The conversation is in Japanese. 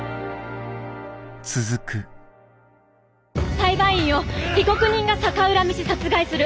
裁判員を被告人が逆恨みし殺害する。